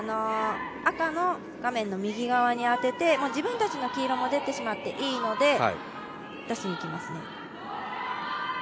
赤の画面の右側に当てて、自分たちの黄色も出てしまっていいので、出しにきますね。